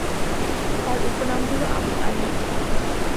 তাঁর উপনাম হল আবু আইয়ূব।